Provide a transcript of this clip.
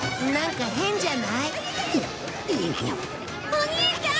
お兄ちゃん！